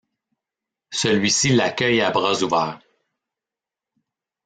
Celui-ci l’accueille à bras ouverts.